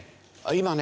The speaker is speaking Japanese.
今ね